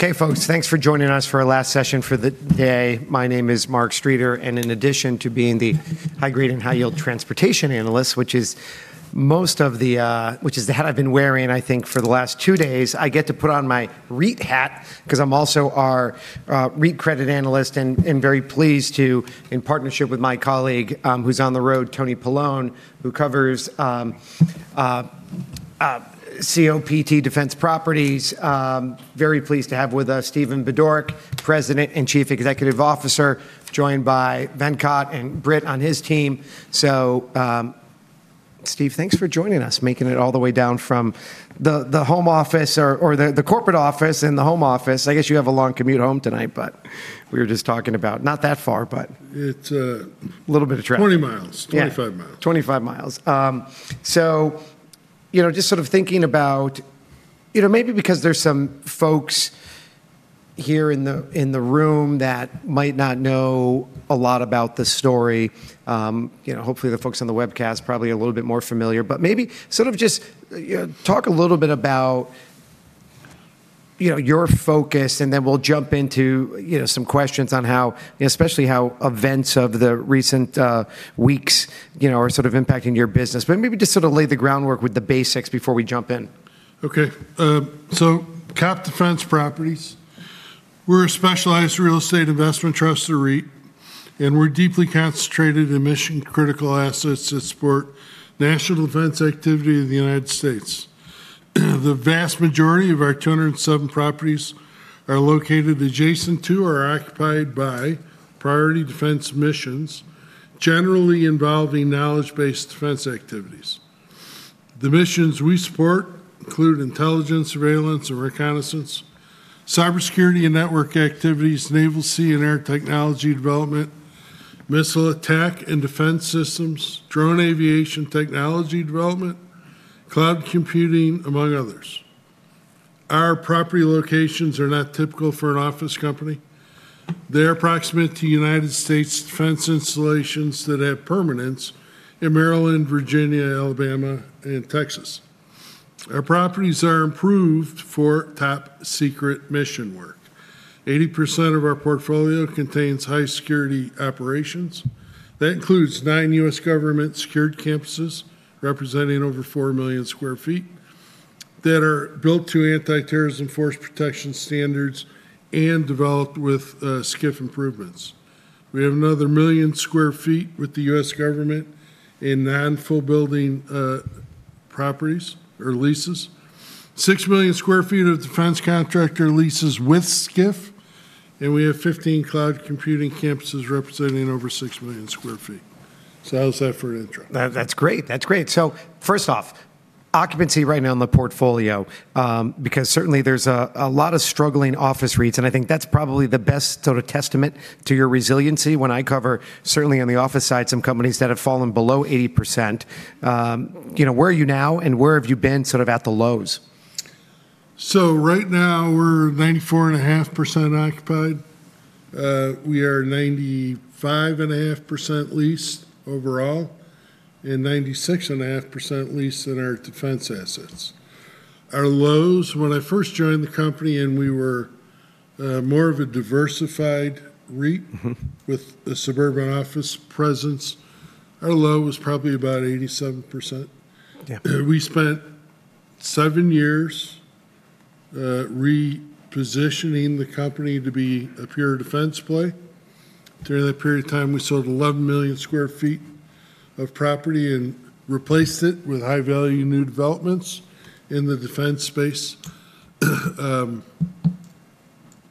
Okay, folks. Thanks for joining us for our last session for the day. My name is Mark Streeter, and in addition to being the high-grade and high-yield transportation analyst, which is the hat I've been wearing, I think, for the last two days. I get to put on my REIT hat, 'cause I'm also our REIT credit analyst, and very pleased to, in partnership with my colleague, who's on the road, Anthony Mifsud, who covers COPT Defense Properties. Very pleased to have with us Stephen Budorick, President and Chief Executive Officer, joined by Venkat and Britt on his team. Steve, thanks for joining us, making it all the way down from the home office or the corporate office and the home office. I guess you have a long commute home tonight, but we were just talking about. Not that far, but. It's A little bit of traffic. 20 miles. Yeah. 25 miles. 25 miles. So, you know, just sort of thinking about, you know, maybe because there's some folks here in the room that might not know a lot about the story, you know, hopefully the folks on the webcast probably are a little bit more familiar, but maybe sort of just talk a little bit about, you know, your focus and then we'll jump into, you know, some questions on how, you know, especially how events of the recent weeks, you know, are sort of impacting your business. Maybe just sort of lay the groundwork with the basics before we jump in. Okay. COPT Defense Properties, we're a specialized real estate investment trust, or REIT, and we're deeply concentrated in mission-critical assets that support national defense activity in the United States. The vast majority of our 207 properties are located adjacent to or are occupied by priority defense missions, generally involving knowledge-based defense activities. The missions we support include intelligence, surveillance and reconnaissance, cybersecurity and network activities, naval, sea, and air technology development, missile attack and defense systems, drone aviation technology development, cloud computing, among others. Our property locations are not typical for an office company. They are proximate to United States defense installations that have permanence in Maryland, Virginia, Alabama, and Texas. Our properties are improved for top secret mission work. 80% of our portfolio contains high security operations. That includes 9 U.S. government secured campuses representing over four million sq ft that are built to antiterrorism/force protection standards and developed with SCIF improvements. We have another one million sq ft with the U.S. government in non-full building properties or leases, six million sq ft of defense contractor leases with SCIF, and we have 15 cloud computing campuses representing over six million sq ft. How's that for an intro? That's great. First off, occupancy right now in the portfolio, because certainly there's a lot of struggling office REITs, and I think that's probably the best sort of testament to your resiliency when I cover, certainly on the office side, some companies that have fallen below 80%. You know, where are you now and where have you been sort of at the lows? Right now we're 94.5% occupied. We are 95.5% leased overall, and 96.5% leased in our defense assets. Our lows, when I first joined the company and we were more of a diversified REIT. Mm-hmm with a suburban office presence, our low was probably about 87%. Yeah. We spent seven years repositioning the company to be a pure defense play. During that period of time, we sold 11 million sq ft of property and replaced it with high-value new developments in the defense space.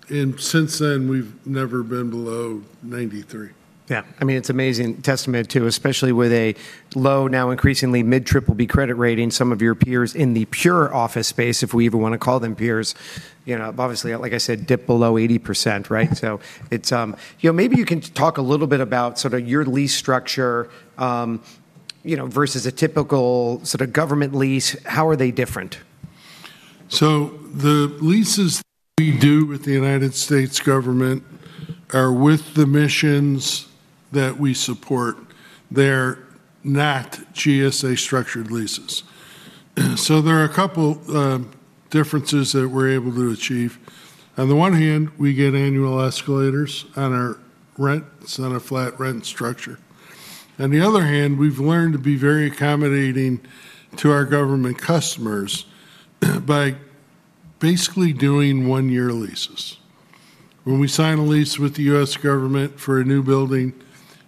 Since then we've never been below 93%. Yeah. I mean, it's amazing testament to, especially with a low, now increasingly mid-triple B credit rating. Some of your peers in the pure office space, if we even want to call them peers, you know, have obviously, like I said, dipped below 80%, right? It's. You know, maybe you can talk a little bit about sort of your lease structure, you know, versus a typical sort of government lease. How are they different? The leases we do with the United States government are with the missions that we support. They're not GSA structured leases. There are a couple differences that we're able to achieve. On the one hand, we get annual escalators on our rent. It's not a flat rent structure. On the other hand, we've learned to be very accommodating to our government customers by basically doing one-year leases. When we sign a lease with the US government for a new building,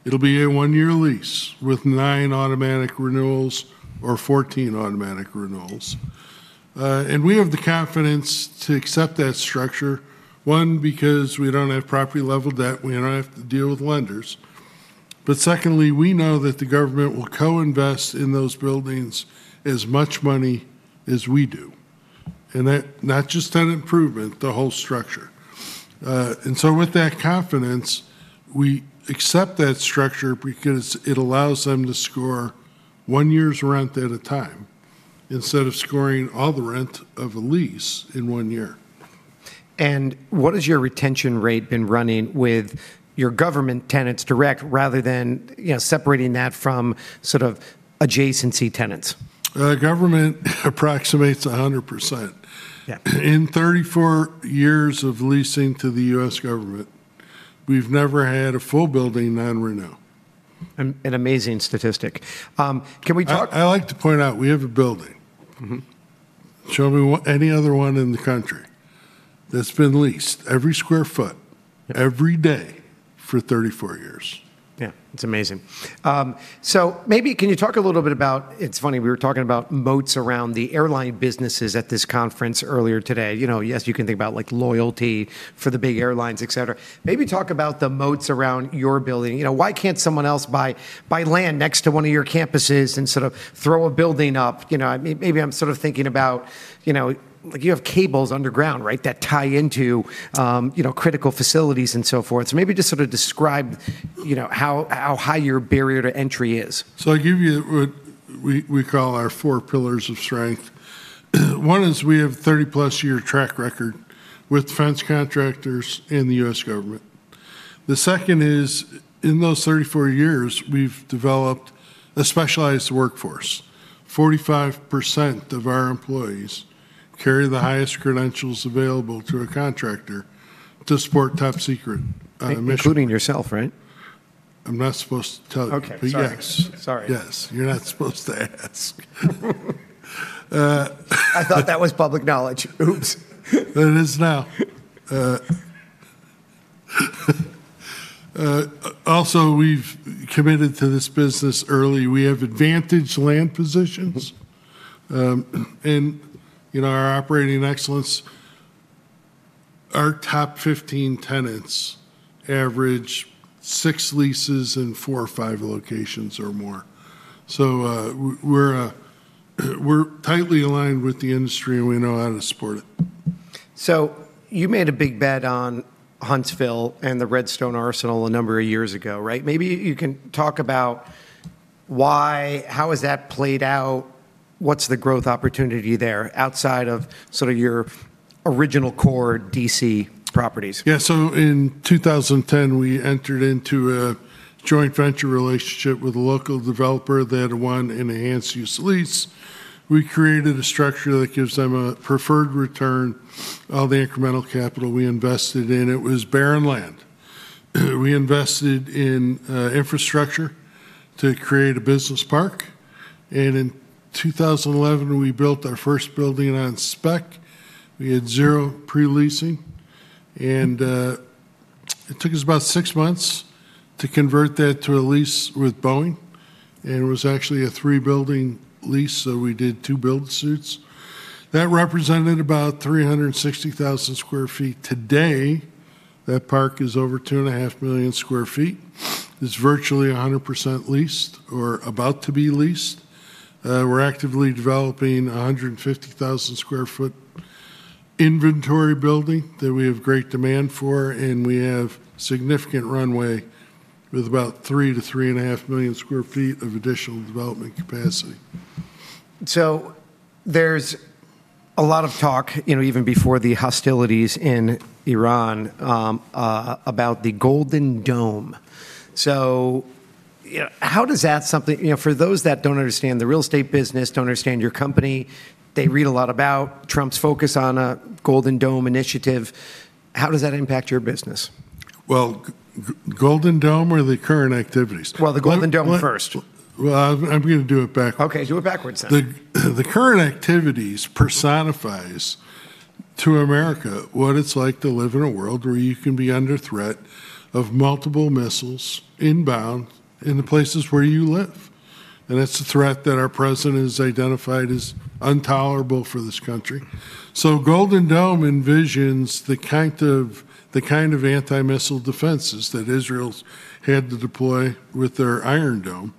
it'll be a one-year lease with nine automatic renewals or 14 automatic renewals. And we have the confidence to accept that structure, one, because we don't have property level debt, we don't have to deal with lenders, but secondly, we know that the government will co-invest in those buildings as much money as we do, and that not just on improvement, the whole structure. With that confidence, we accept that structure because it allows them to score one year's rent at a time instead of scoring all the rent of a lease in one year. What has your retention rate been running with your government tenants direct rather than, you know, separating that from sort of adjacency tenants? Government approximates 100%. Yeah. In 34 years of leasing to the U.S. government, we've never had a full building non-renew. An amazing statistic. Can we talk? I like to point out, we have a building. Mm-hmm. Show me any other one in the country that's been leased every square foot every day for 34 years. Yeah, it's amazing. Maybe can you talk a little bit about. It's funny, we were talking about moats around the airline businesses at this conference earlier today. You know, yes, you can think about, like, loyalty for the big airlines, et cetera. Maybe talk about the moats around your building. You know, why can't someone else buy land next to one of your campuses and sort of throw a building up? You know, maybe I'm sort of thinking about, you know, like, you have cables underground, right, that tie into, you know, critical facilities and so forth. Maybe just sort of describe, you know, how high your barrier to entry is. I'll give you what we call our four pillars of strength. One is we have 30+ year track record with defense contractors in the U.S. government. The second is in those 34 years, we've developed a specialized workforce. 45% of our employees carry the highest credentials available to a contractor to support top secret missions. Including yourself, right? I'm not supposed to tell you. Okay. Sorry. Yes. Sorry. Yes. You're not supposed to ask. I thought that was public knowledge. Oops. It is now. We've committed to this business early. We have advantaged land positions. You know, our operating excellence, our top 15 tenants average six leases in four or five locations or more. We're tightly aligned with the industry, and we know how to support it. You made a big bet on Huntsville and the Redstone Arsenal a number of years ago, right? Maybe you can talk about why, how has that played out, what's the growth opportunity there outside of sort of your original core D.C. properties? In 2010, we entered into a joint venture relationship with a local developer that had won an enhanced use lease. We created a structure that gives them a preferred return of the incremental capital we invested in. It was barren land. We invested in infrastructure to create a business park. In 2011, we built our first building on spec. We had 0 pre-leasing. It took us about six months to convert that to a lease with Boeing, and it was actually a three-building lease, so we did two build-to-suits. That represented about 360,000 sq ft. Today, that park is over 2.5 million sq ft. It's virtually 100% leased or about to be leased. We're actively developing 150,000 sq ft inventory building that we have great demand for, and we have significant runway with about 3-3.5 million sq ft of additional development capacity. There's a lot of talk, you know, even before the hostilities in Iran, about the Golden Dome. You know, for those that don't understand the real estate business, don't understand your company, they read a lot about Trump's focus on a Golden Dome initiative. How does that impact your business? Well, Golden Dome or the current activities? Well, the Golden Dome first. Well, I'm gonna do it backwards. Okay. Do it backwards then. The current activities personifies to America what it's like to live in a world where you can be under threat of multiple missiles inbound in the places where you live, and it's a threat that our president has identified as intolerable for this country. Golden Dome envisions the kind of anti-missile defenses that Israel's had to deploy with their Iron Dome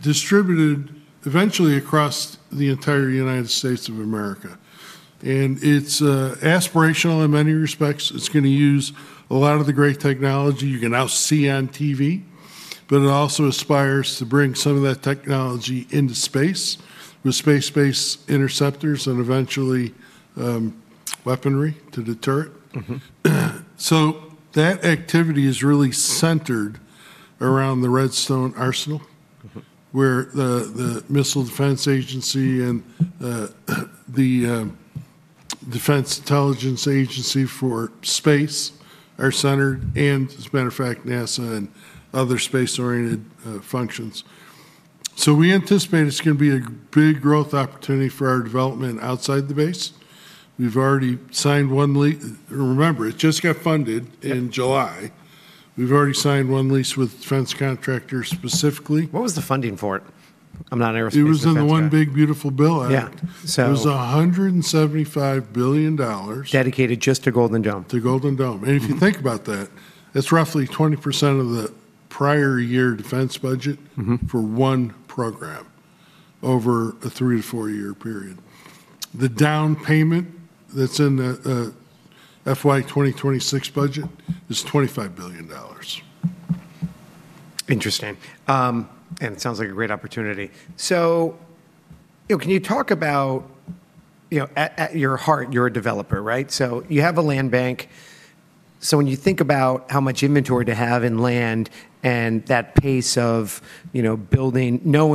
distributed eventually across the entire United States of America. It's aspirational in many respects. It's gonna use a lot of the great technology you can now see on TV, but it also aspires to bring some of that technology into space with space-based interceptors and eventually weaponry to deter it. Mm-hmm. That activity is really centered around the Redstone Arsenal. Mm-hmm... where the Missile Defense Agency and the Defense Intelligence Agency for space are centered and, as a matter of fact, NASA and other space-oriented functions. We anticipate it's gonna be a big growth opportunity for our development outside the base. Remember, it just got funded in July. We've already signed one lease with defense contractors specifically. What was the funding for it? I'm not an aerospace defense guy. It was in the One Big Beautiful Bill Act. Yeah. It was $175 billion. Dedicated just to Golden Dome. to Golden Dome. Mm-hmm. If you think about that's roughly 20% of the prior year defense budget. Mm-hmm for one program over a three to four year period. The down payment that's in the FY 2026 budget is $25 billion. Interesting. It sounds like a great opportunity. You know, at your heart, you're a developer, right? You have a land bank. When you think about how much inventory to have in land and that pace of, you know, building, now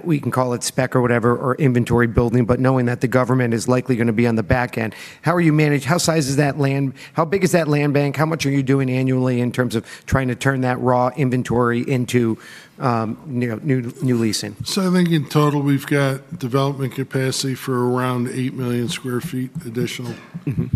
we can call it spec or whatever, or inventory building, but knowing that the government is likely gonna be on the back end, how big is that land bank? How much are you doing annually in terms of trying to turn that raw inventory into, you know, new leasing? I think in total we've got development capacity for around eight million sq ft additional- Mm-hmm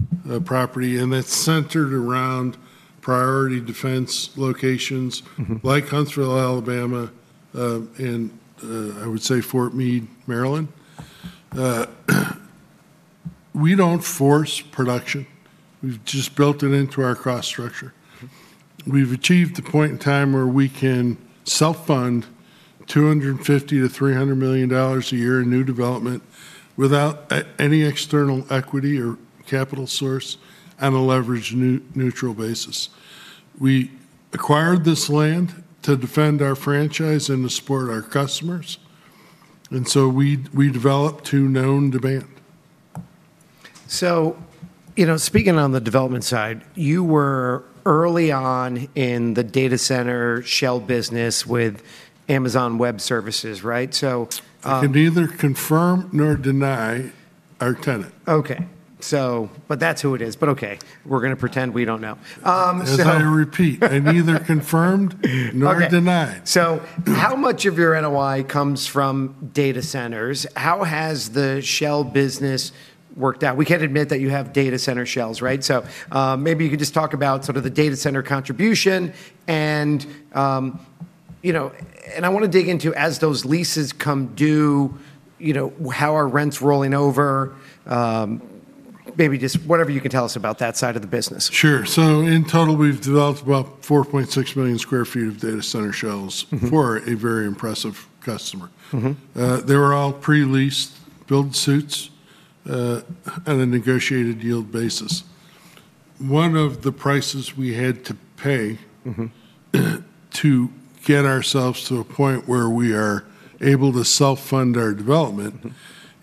property, that's centered around priority defense locations. Mm-hmm Like Huntsville, Alabama, and I would say Fort Meade, Maryland. We don't force protection. We've just built it into our cost structure. Mm-hmm. We've achieved the point in time where we can self-fund $250 million-$300 million a year in new development without any external equity or capital source on a leverage neutral basis. We acquired this land to defend our franchise and to support our customers, and so we develop to known demand. You know, speaking on the development side, you were early on in the data center shell business with Amazon Web Services, right? I can neither confirm nor deny our tenant. Okay. That's who it is. Okay. We're gonna pretend we don't know. As I repeat, I neither confirmed nor denied. Okay. How much of your NOI comes from data centers? How has the shell business worked out? We can admit that you have data center shells, right? Maybe you could just talk about sort of the data center contribution and, you know, and I wanna dig into, as those leases come due, you know, how are rents rolling over? Maybe just whatever you can tell us about that side of the business. Sure. In total, we've developed about 4.6 million sq ft of data center shells. Mm-hmm for a very impressive customer. Mm-hmm. They were all pre-leased build-to-suits on a negotiated yield basis. One of the prices we had to pay- Mm-hmm to get ourselves to a point where we are able to self-fund our development- Mm-hmm...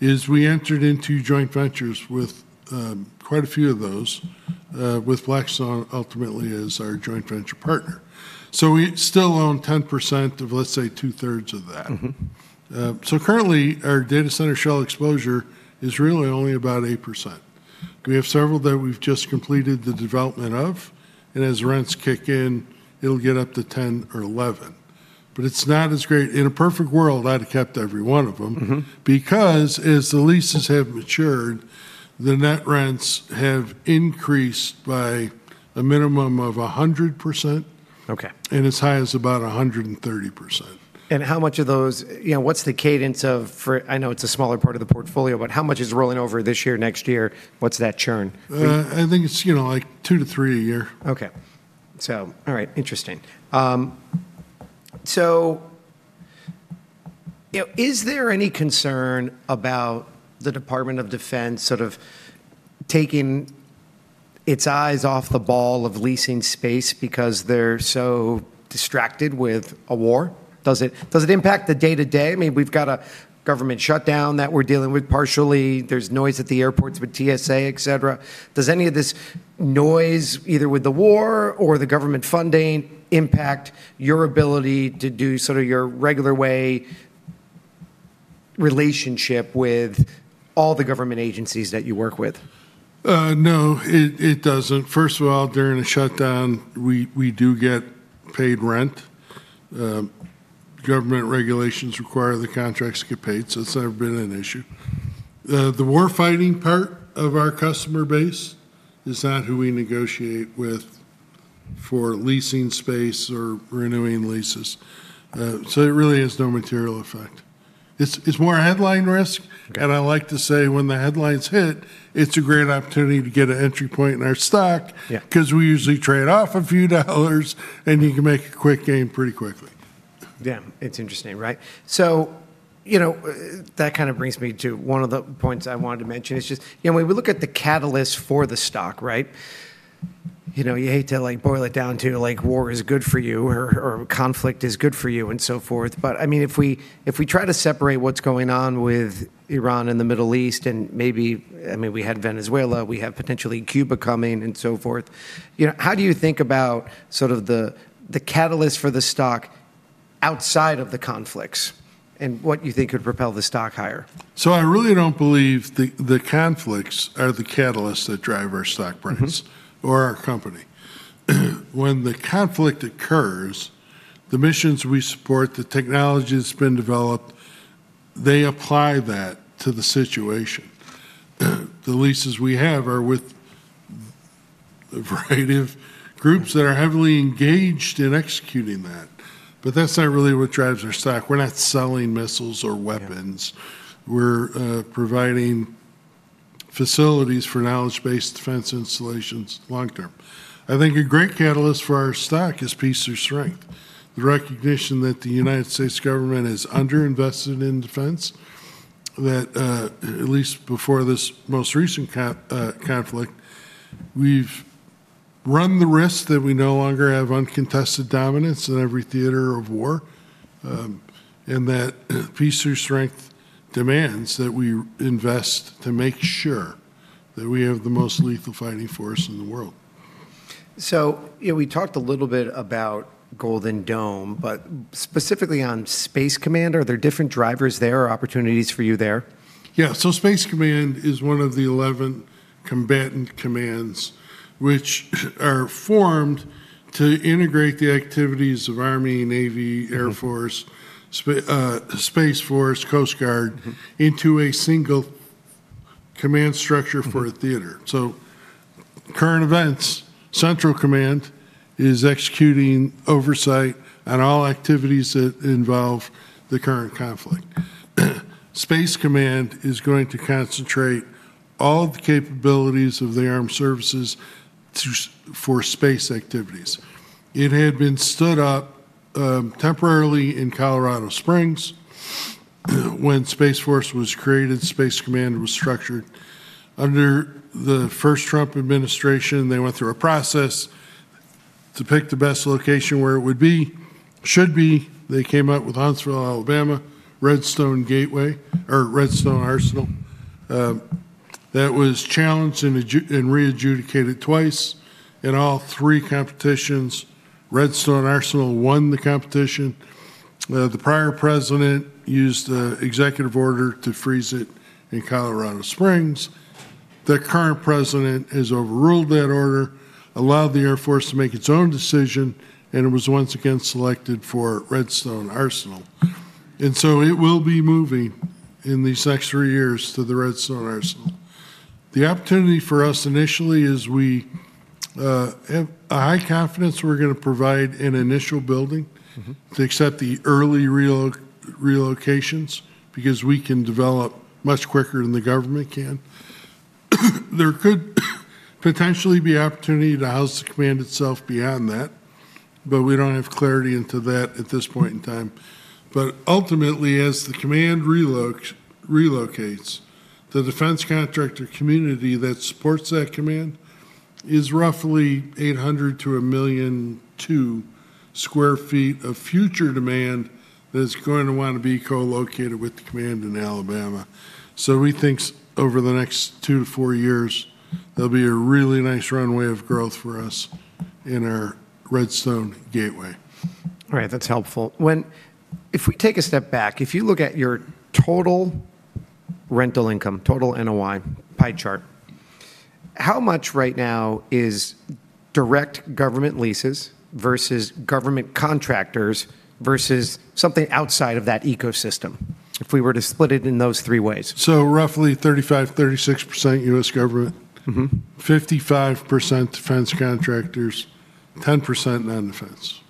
is we entered into joint ventures with, quite a few of those, with Blackstone ultimately as our joint venture partner. We still own 10% of, let's say, two-thirds of that. Mm-hmm. Currently our data center shell exposure is really only about 8%. We have several that we've just completed the development of, and as rents kick in, it'll get up to 10 or 11. It's not as great. In a perfect world, I'd have kept every one of them. Mm-hmm because as the leases have matured, the net rents have increased by a minimum of 100%. Okay... as high as about 130%. How much of those, you know, what's the cadence for? I know it's a smaller part of the portfolio, but how much is rolling over this year, next year? What's that churn? I think it's, you know, like two-three a year. Okay. All right, interesting. You know, is there any concern about the Department of Defense sort of taking its eyes off the ball of leasing space because they're so distracted with a war? Does it impact the day-to-day? I mean, we've got a government shutdown that we're dealing with partially. There's noise at the airports with TSA, et cetera. Does any of this noise, either with the war or the government funding, impact your ability to do sort of your regular way relationship with all the government agencies that you work with? No, it doesn't. First of all, during a shutdown, we do get paid rent. Government regulations require the contracts get paid, so it's never been an issue. The war fighting part of our customer base is not who we negotiate with for leasing space or renewing leases. It really has no material effect. It's more a headline risk. Sure. I like to say, when the headlines hit, it's a great opportunity to get an entry point in our stock. Yeah 'Cause we usually trade off a few dollars, and you can make a quick gain pretty quickly. Yeah. It's interesting, right? That kind of brings me to one of the points I wanted to mention. It's just, you know, when we look at the catalyst for the stock, right? You know, you hate to, like, boil it down to, like, war is good for you or conflict is good for you, and so forth. But I mean, if we try to separate what's going on with Iran and the Middle East and maybe, I mean, we had Venezuela, we have potentially Cuba coming, and so forth. You know, how do you think about sort of the catalyst for the stock outside of the conflicts, and what you think could propel the stock higher? I really don't believe the conflicts are the catalysts that drive our stock price. Mm-hmm our company. When the conflict occurs, the missions we support, the technology that's been developed, they apply that to the situation. The leases we have are with a variety of groups that are heavily engaged in executing that. That's not really what drives our stock. We're not selling missiles or weapons. Yeah. We're providing facilities for knowledge-based defense installations long term. I think a great catalyst for our stock is peace through strength. The recognition that the United States government is under-invested in defense, that at least before this most recent conflict, we've run the risk that we no longer have uncontested dominance in every theater of war, and that peace through strength demands that we invest to make sure that we have the most lethal fighting force in the world. You know, we talked a little bit about Golden Dome, but specifically on Space Command, are there different drivers there or opportunities for you there? Yeah. Space Command is one of the 11 combatant commands which are formed to integrate the activities of Army, Navy, Air Force, Space Force, Coast Guard into a single command structure for a theater. Current events, Central Command is executing oversight on all activities that involve the current conflict. Space Command is going to concentrate all the capabilities of the armed services for space activities. It had been stood up temporarily in Colorado Springs. When Space Force was created, Space Command was structured under the first Trump administration. They went through a process to pick the best location where it would be, should be. They came up with Huntsville, Alabama, Redstone Gateway, or Redstone Arsenal that was challenged and readjudicated twice. In all three competitions, Redstone Arsenal won the competition. The prior president used the executive order to freeze it in Colorado Springs. The current president has overruled that order, allowed the Air Force to make its own decision, and it was once again selected for Redstone Arsenal. It will be moving in these next three years to the Redstone Arsenal. The opportunity for us initially is we have a high confidence we're gonna provide an initial building- Mm-hmm to accept the early relocations because we can develop much quicker than the government can. There could potentially be opportunity to house the command itself beyond that, but we don't have clarity into that at this point in time. Ultimately, as the command relocates, the defense contractor community that supports that command is roughly 800 to 1.2 million sq ft of future demand that's going to want to be co-located with the command in Alabama. We think over the next two-four years, there'll be a really nice runway of growth for us in our Redstone Gateway. All right. That's helpful. If we take a step back, if you look at your total rental income, total NOI pie chart, how much right now is direct government leases versus government contractors versus something outside of that ecosystem, if we were to split it in those three ways? Roughly 35-36% U.S. government. Mm-hmm. 55% defense contractors, 10% non-defense.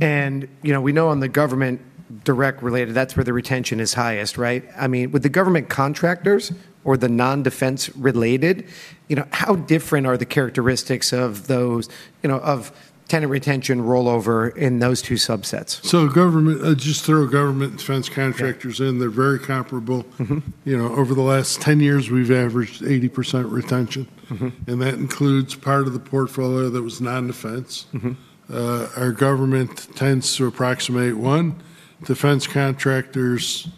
You know, we know on the government direct related, that's where the retention is highest, right? I mean, with the government contractors or the non-defense related, you know, how different are the characteristics of those, you know, of tenant retention rollover in those two subsets? Government, I'll just throw government defense contractors in. Okay. They're very comparable. Mm-hmm. You know, over the last 10 years, we've averaged 80% retention. Mm-hmm. That includes part of the portfolio that was non-defense. Mm-hmm. Our government tends to approximate one. Defense contractors,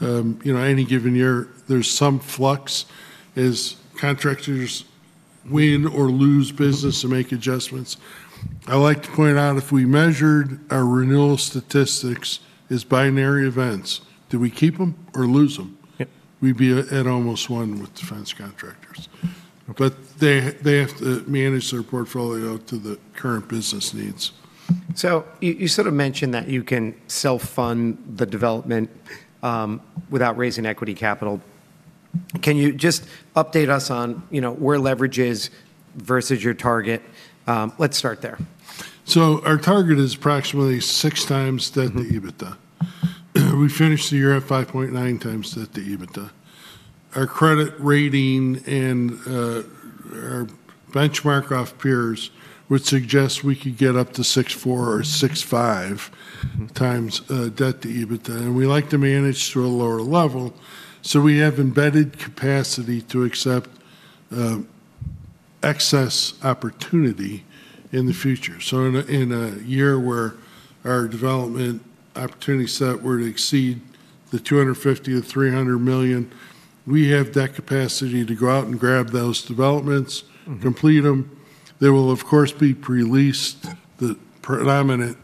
you know, any given year, there's some flux as contractors win or lose business. Mm-hmm... make adjustments. I like to point out if we measured our renewal statistics as binary events, do we keep them or lose them? Yep. We'd be at almost one with defense contractors. They have to manage their portfolio to the current business needs. You sort of mentioned that you can self-fund the development without raising equity capital. Can you just update us on, you know, where leverage is versus your target? Let's start there. Our target is approximately 6x debt to EBITDA. We finished the year at 5.9x debt to EBITDA. Our credit rating and, our benchmark of peers would suggest we could get up to 6.4x or 6.5x debt to EBITDA, and we like to manage to a lower level, so we have embedded capacity to accept excess opportunity in the future. In a year where our development opportunity set were to exceed $250 million-$300 million, we have that capacity to go out and grab those developments. Mm-hmm Complete them. They will, of course, be pre-leased. The predominant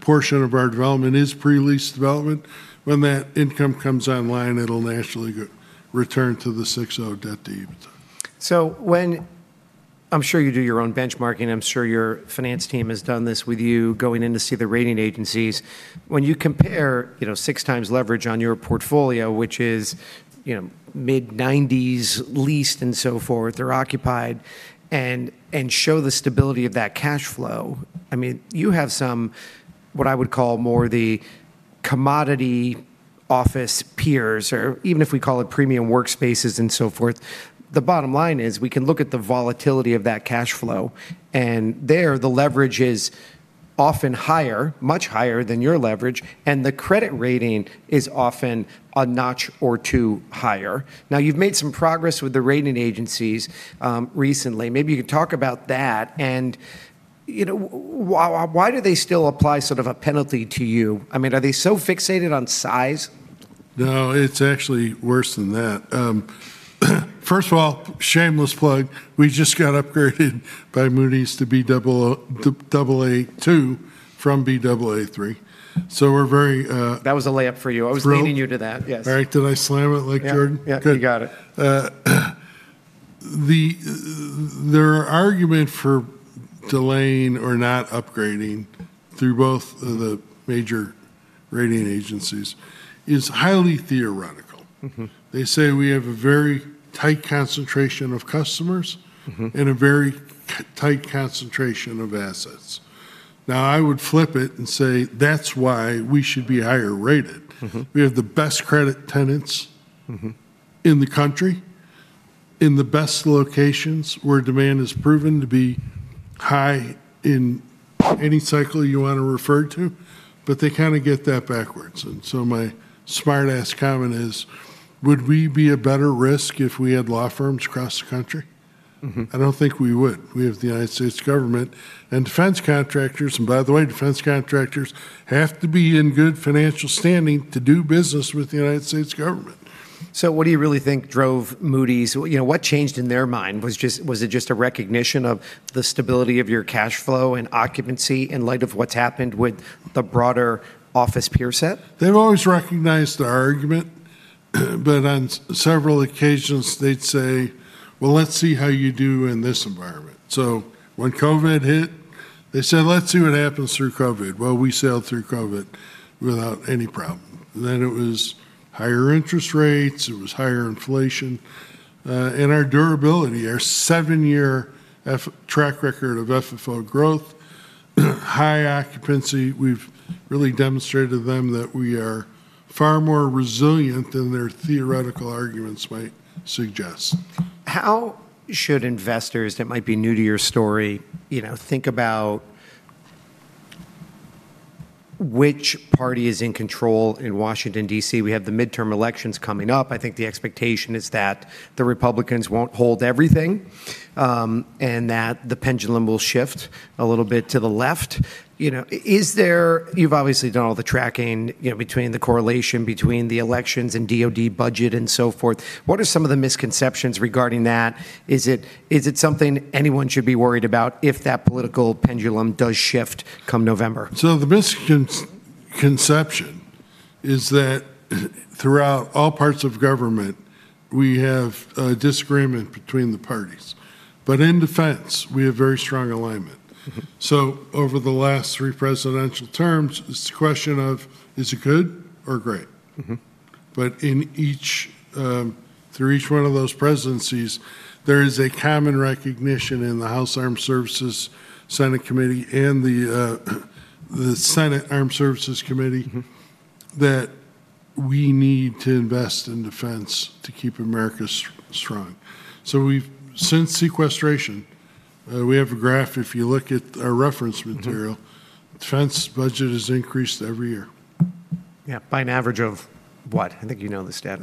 portion of our development is pre-leased development. When that income comes online, it'll naturally return to the 6.0 debt to EBITDA. I'm sure you do your own benchmarking. I'm sure your finance team has done this with you going in to see the rating agencies. When you compare, you know, 6x leverage on your portfolio, which is, you know, mid-90s leased and so forth or occupied and show the stability of that cash flow, I mean, you have some, what I would call more the commodity office peers or even if we call it premium workspaces and so forth. The bottom line is we can look at the volatility of that cash flow, and there the leverage is often higher, much higher than your leverage, and the credit rating is often a notch or two higher. Now you've made some progress with the rating agencies recently. Maybe you could talk about that, and, you know, why do they still apply sort of a penalty to you? I mean, are they so fixated on size? No, it's actually worse than that. First of all, shameless plug, we just got upgraded by Moody's to Baa2 from Baa3. We're very, That was a layup for you. thrilled. I was leading you to that. Yes. All right. Did I slam it like Jordan? Yeah. Yeah. Good. You got it. Their argument for delaying or not upgrading through both of the major rating agencies is highly theoretical. Mm-hmm. They say we have a very tight concentration of customers. Mm-hmm a very tight concentration of assets. Now, I would flip it and say, "That's why we should be higher rated. Mm-hmm. We have the best credit tenants. Mm-hmm in the country, in the best locations where demand has proven to be high in any cycle you wanna refer to, but they kinda get that backwards. My smart-ass comment is, "Would we be a better risk if we had law firms across the country? Mm-hmm. I don't think we would. We have the United States government and defense contractors, and by the way, defense contractors have to be in good financial standing to do business with the United States government. What do you really think drove Moody's? What, you know, what changed in their mind? Was it just a recognition of the stability of your cash flow and occupancy in light of what's happened with the broader office peer set? They've always recognized the argument, but on several occasions they'd say, "Well, let's see how you do in this environment." When COVID hit, they said, "Let's see what happens through COVID." Well, we sailed through COVID without any problem. It was higher interest rates, it was higher inflation. Our durability, our seven-year track record of FFO growth, high occupancy, we've really demonstrated to them that we are far more resilient than their theoretical arguments might suggest. How should investors that might be new to your story, you know, think about which party is in control in Washington, D.C.? We have the midterm elections coming up. I think the expectation is that the Republicans won't hold everything, and that the pendulum will shift a little bit to the left. You know, is there. You've obviously done all the tracking, you know, between the correlation between the elections and DOD budget and so forth. What are some of the misconceptions regarding that? Is it something anyone should be worried about if that political pendulum does shift come November? The misconception is that throughout all parts of government, we have a disagreement between the parties, but in defense, we have very strong alignment. Mm-hmm. Over the last three presidential terms, it's a question of is it good or great? Mm-hmm. In each, through each one of those presidencies, there is a common recognition in the House Armed Services Committee and the Senate Committee on Armed Services. Mm-hmm... that we need to invest in defense to keep America strong. We've, since sequestration, we have a graph, if you look at our reference material- Mm-hmm Defense budget has increased every year. Yeah. By an average of what? I think you know the stat.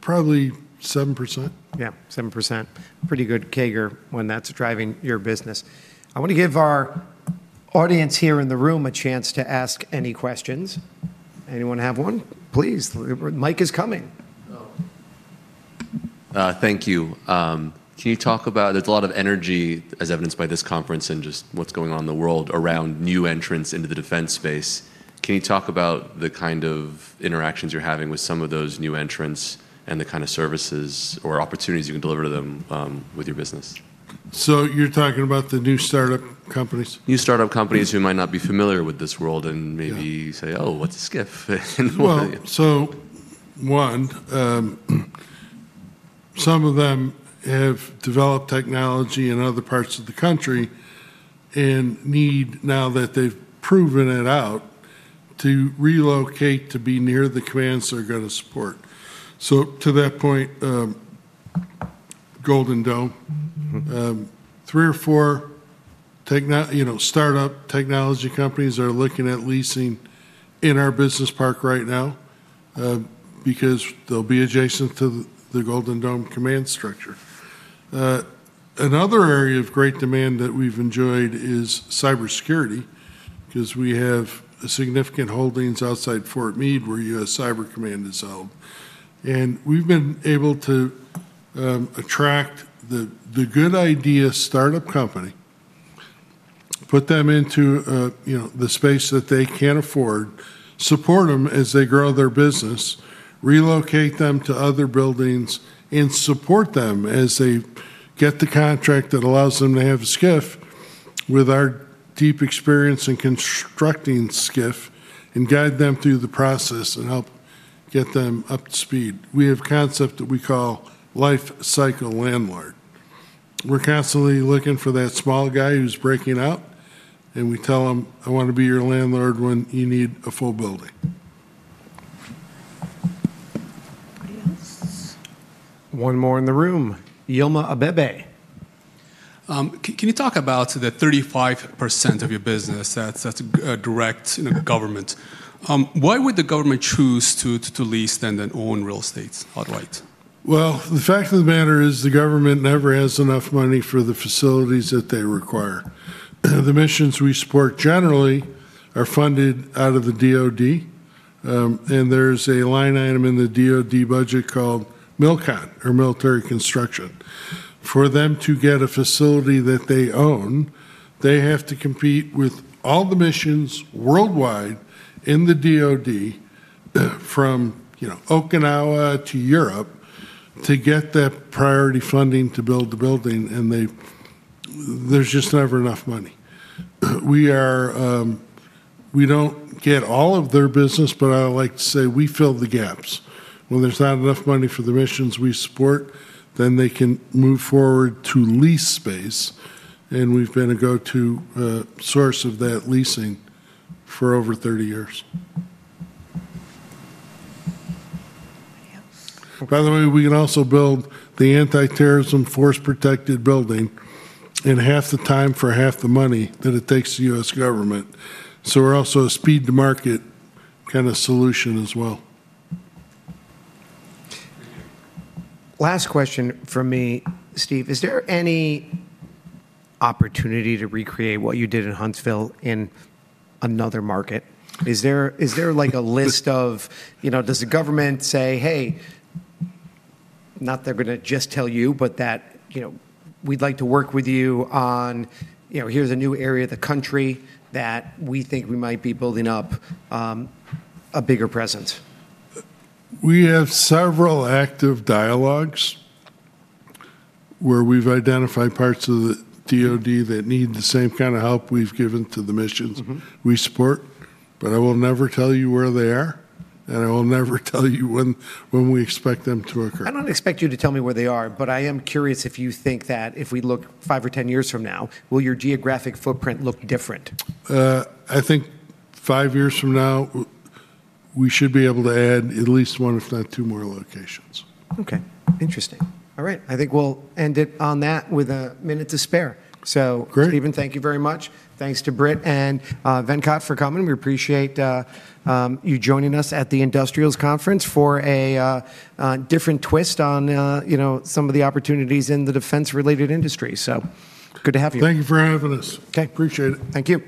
probably 7%. Yeah, 7%. Pretty good CAGR when that's driving your business. I wanna give our audience here in the room a chance to ask any questions. Anyone have one? Please, the mic is coming. Thank you. Can you talk about, there's a lot of energy, as evidenced by this conference and just what's going on in the world, around new entrants into the defense space. Can you talk about the kind of interactions you're having with some of those new entrants, and the kind of services or opportunities you can deliver to them, with your business? You're talking about the new startup companies? New startup companies who might not be familiar with this world and maybe. Yeah Say, "Oh, what's a SCIF? One, some of them have developed technology in other parts of the country and need, now that they've proven it out, to relocate to be near the commands they're gonna support. To that point, Golden Dome. Mm-hmm. Three or four technology companies are looking at leasing in our business park right now, because they'll be adjacent to the Golden Dome command structure. Another area of great demand that we've enjoyed is cybersecurity, 'cause we have significant holdings outside Fort Meade, where U.S. Cyber Command is held. We've been able to attract the good idea startup company, put them into, you know, the space that they can't afford, support 'em as they grow their business, relocate them to other buildings, and support them as they get the contract that allows them to have a SCIF with our deep experience in constructing SCIF, and guide them through the process and help get them up to speed. We have a concept that we call Life Cycle Landlord. We're constantly looking for that small guy who's breaking out, and we tell 'em, "I wanna be your landlord when you need a full building. One more in the room. Yilma Abebe. Can you talk about the 35% of your business that's direct in the government? Why would the government choose to lease and then own real estates outright? Well, the fact of the matter is the government never has enough money for the facilities that they require. The missions we support generally are funded out of the DOD, and there's a line item in the DOD budget called MILCON or military construction. For them to get a facility that they own, they have to compete with all the missions worldwide in the DOD from, you know, Okinawa to Europe to get that priority funding to build the building and there's just never enough money. We are, we don't get all of their business, but I like to say we fill the gaps. When there's not enough money for the missions we support, then they can move forward to lease space, and we've been a go-to source of that leasing for over 30 years. Anybody else? By the way, we can also build the antiterrorism/force protection building in half the time for half the money than it takes the U.S. government. We're also a speed to market kinda solution as well. Last question from me, Steve. Is there any opportunity to recreate what you did in Huntsville in another market? Is there like a list of. You know, does the government say, "Hey," not that they're gonna just tell you, but that, you know, "We'd like to work with you on, you know, here's a new area of the country that we think we might be building up a bigger presence"? We have several active dialogues where we've identified parts of the DOD that need the same kind of help we've given to the missions. Mm-hmm We support. I will never tell you where they are, and I will never tell you when we expect them to occur. I don't expect you to tell me where they are, but I am curious if you think that if we look five or 10 years from now, will your geographic footprint look different? I think five years from now we should be able to add at least one if not two more locations. Okay. Interesting. All right. I think we'll end it on that with a minute to spare. Great Stephen, thank you very much. Thanks to Britt and Venkat for coming. We appreciate you joining us at the Industrials Conference for a different twist on you know some of the opportunities in the defense-related industry. Good to have you. Thank you for having us. Okay. Appreciate it. Thank you.